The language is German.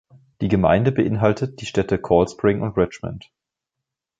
Die Gemeinde beinhaltet die Städte Cold Spring und Richmond.